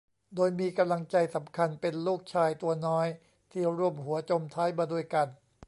โดยมีกำลังใจสำคัญเป็นลูกชายตัวน้อยที่ร่วมหัวจมท้ายมาด้วยกัน